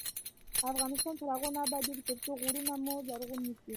افغانستان تر هغو نه ابادیږي، ترڅو غرونه مو زرغون نشي.